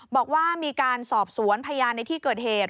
บอกว่ามีการสอบสวนพยานในที่เกิดเหตุ